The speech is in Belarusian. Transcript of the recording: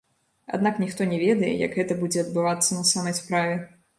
Аднак ніхто не ведае, як гэта будзе адбывацца на самай справе.